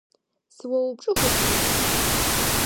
Сыоупчӏы хъущта?